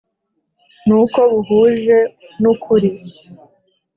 n uko buhuje n ukuri